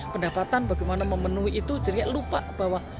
pendapatan bagaimana memenuhi itu jadi lupa bahwa